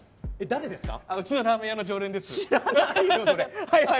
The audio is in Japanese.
誰ですか？